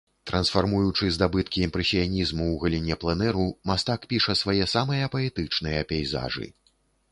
Трансфармуючы здабыткі імпрэсіянізму ў галіне пленэру, мастак піша свае самыя паэтычныя пейзажы.